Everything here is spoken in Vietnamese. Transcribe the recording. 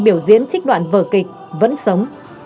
biểu diễn trích đoạn vở kịch vẫn sống